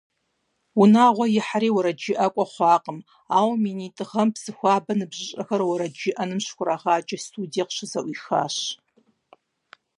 Унагъуэ ихьэри уэрэджыӀакӀуэ хъуакъым, ауэ минитӏ гъэм Псыхуабэ ныбжьыщӏэхэр уэрэджыӏэным щыхурагъаджэ студие къыщызэӀуихащ.